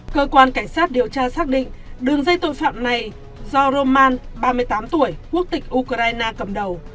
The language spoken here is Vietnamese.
cơ quan cảnh sát điều tra xác định đường dây tội phạm này do roman ba mươi tám tuổi quốc tịch ukraine cầm đầu